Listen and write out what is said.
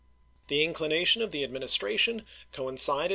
The inclination of the Administration coincided Vol.